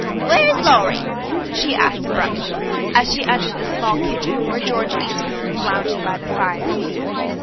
"Where is Lawrie?" she asked abruptly; as she entered the small kitchen where George Eastman was lounging by the fire.